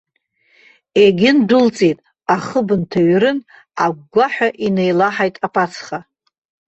Егьындәылҵит, ахыб нҭаҩрын, агәгәаҳәа инеилаҳаит аԥацха.